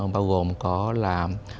bao gồm có là